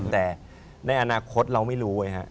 แต่ในอนาคตเราไม่รู้ไงฮะ